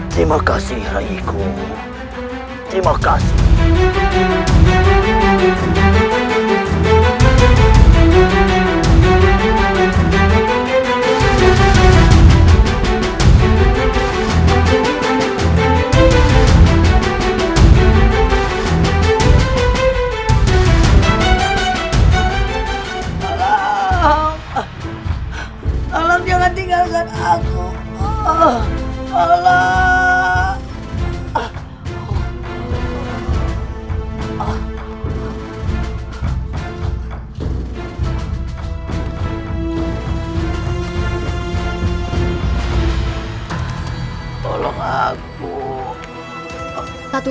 kamu masih berhutang nyawa pada kami